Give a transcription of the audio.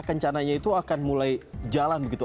kencananya itu akan mulai jalan begitu